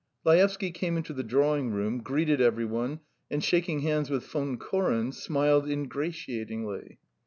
Laevsky came into the drawing room, greeted every one, and shaking hands with Von Koren, smiled ingratiatingly.